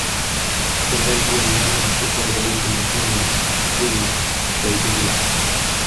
tembo ndiye mnyama mkubwa zaidi mwituni na ardini kwa ujumla